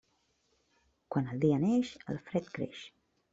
Quan el dia neix, el fred creix.